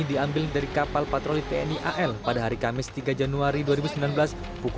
oh allah wabarakatuh